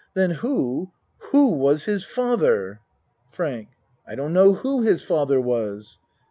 Then who who was his father? FRANK I don't know who his father was.